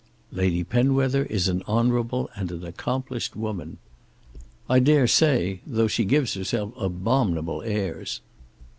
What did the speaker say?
"Lady Penwether is an honourable and an accomplished woman." "I dare say; though she gives herself abominable airs."